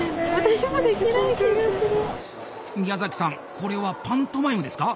宮崎さんこれはパントマイムですか？